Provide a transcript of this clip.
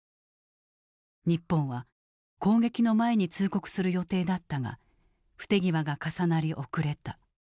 日本は攻撃の前に通告する予定だったが不手際が重なり遅れた。